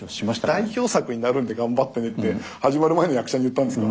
代表作になるので頑張ってねって始まる前の役者に言ったんですか？